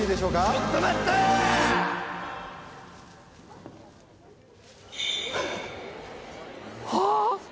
ちょっと待った！はあ？